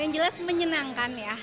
yang jelas menyenangkan ya